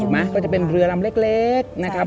ไหมก็จะเป็นเรือลำเล็กนะครับ